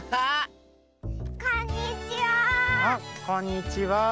こんにちは！